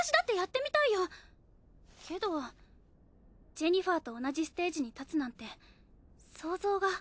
ジェニファーと同じステージに立つなんて想像が。